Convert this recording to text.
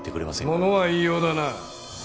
物は言いようだな。